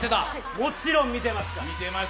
もちろん見てました。